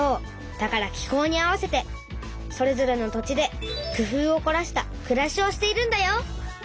だから気候に合わせてそれぞれの土地で工夫をこらしたくらしをしているんだよ。